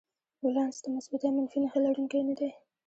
ولانس د مثبت یا منفي نښې لرونکی نه دی.